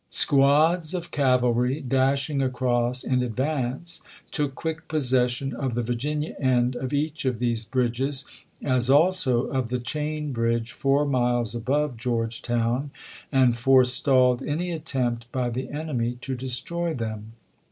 Squads of cavalry, dashing across in advance, took quick possession of the Virginia end of each of these bridges, as also of the Chain Bridge foui' miles above Georgetown, and fore stalled any attempt by the enemy to destroy them.